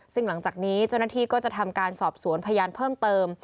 ซึ่งหลังจากนี้เจ้าหน้าที่ก็จะทำการสอบสวนพยานเพิ่มเติม